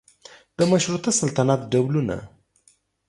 د مشروطه سلطنت ډولونه